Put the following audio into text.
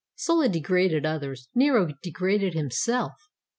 Sulla degraded others; Nero degraded himself.